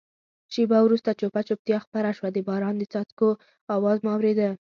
شېبه وروسته چوپه چوپتیا خپره شوه، د باران د څاڅکو آواز مو اورېده.